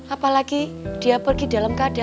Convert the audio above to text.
apalagi dia pergi dalam keadaan